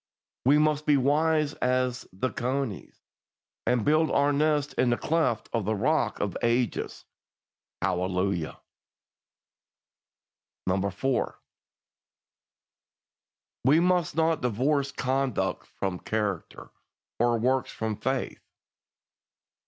We must be wise as the conies, and build our nest in the cleft of the Rock of Ages. Hallelujah! 4. We must not divorce conduct from character, or works from faith.